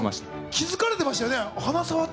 気付かれてましたよね？